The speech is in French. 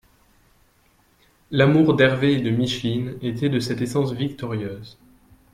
L’amour d’Hervé et de Micheline était de cette essence victorieuse.